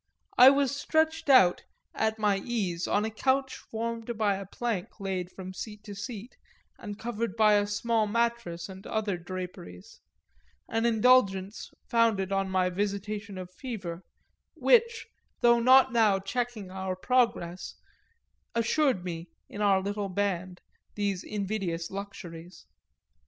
I was stretched at my ease on a couch formed by a plank laid from seat to seat and covered by a small mattress and other draperies; an indulgence founded on my visitation of fever, which, though not now checking our progress, assured me, in our little band, these invidious luxuries.